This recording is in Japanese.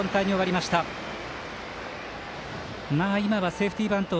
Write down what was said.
セーフティーバント。